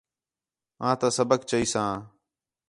آں تَا سبق چائیساں